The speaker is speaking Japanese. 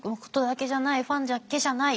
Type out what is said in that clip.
ファンだけじゃない。